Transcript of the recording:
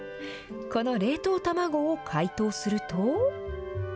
この冷凍卵を解凍すると。